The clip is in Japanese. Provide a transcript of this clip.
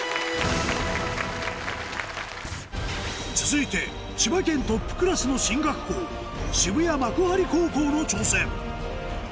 続いて千葉県トップクラスの進学校渋谷幕張高校の挑戦